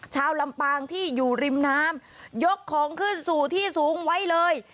ชาวลำปางที่อยู่ริมน้ำยกของขึ้นสู่ที่สูงไว้เลย